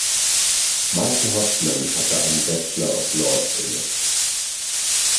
Michael Hodgman hatte einen Bachelor of Laws inne.